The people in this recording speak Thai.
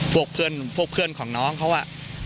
พวกเพื่อนพวกเพื่อนของน้องเขาอะ